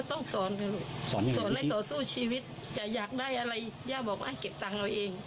ก็ต้องสอนสอนแล้วต่อสู้ชีวิตจะอยากได้อะไรหญ้าบอกให้เก็บตังค์เอาเอง